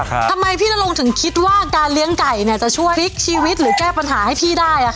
ทำไมพี่น่ารงถึงคิดว่าการเลี้ยงไก่จะช่วยฟิกชีวิตหรือแก้ปัญหาให้พี่ได้